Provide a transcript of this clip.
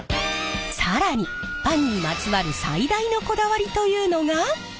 更にパンにまつわる最大のこだわりというのが！